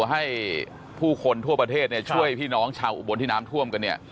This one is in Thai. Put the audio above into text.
ให้ผู้คนทั่วประเทศช่วยพี่น้องชาวอุบลที่น้ำท่วมกันเนี่ย